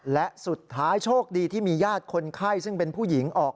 และสุดท้ายโชคดีที่มีญาติคนไข้ซึ่งเป็นผู้หญิงออก